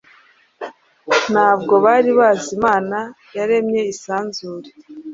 ntabwo bari bazi Imana yaremye isanzure.